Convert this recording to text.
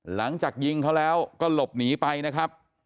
หลังจากยิงเขาแล้วก็หลบหนีไปนะครับ